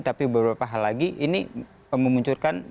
tapi beberapa hal lagi ini memunculkan kesan kompromi